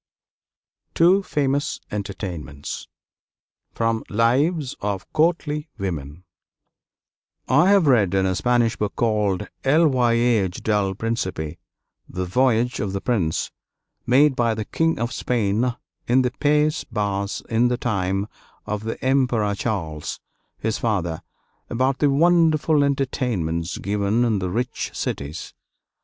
TWO FAMOUS ENTERTAINMENTS From 'Lives of Courtly Women' I have read in a Spanish book called 'El Viaje del Principe' (The Voyage of the Prince), made by the King of Spain in the Pays Bas in the time of the Emperor Charles, his father, about the wonderful entertainments given in the rich cities.